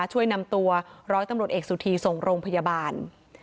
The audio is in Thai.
ช่วยนำตัวร้อยตำรวจเอกสุธีส่งโรงพยาบาล